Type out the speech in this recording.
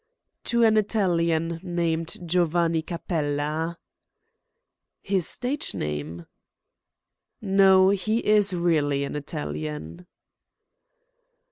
"To an Italian, named Giovanni Capella." "His stage name?" "No; he is really an Italian."